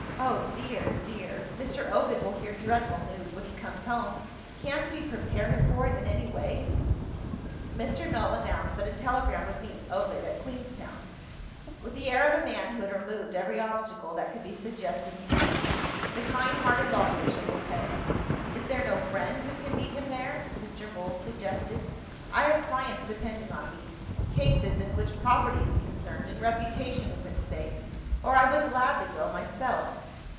Oh, dear! dear! Mr. Ovid will hear dreadful news, when he comes home. Can't we prepare him for it, in any way?" Mr. Null announced that a telegram would meet Ovid at Queenstown with the air of a man who had removed every obstacle that could be suggested to him. The kind hearted lawyer shook his head. "Is there no friend who can meet him there?" Mr. Mool suggested. "I have clients depending on me cases, in which property is concerned, and reputation is at stake or I would gladly go myself.